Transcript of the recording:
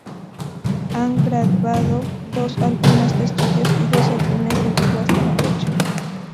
Han grabado dos álbumes de estudio y dos álbumes en vivo hasta la fecha.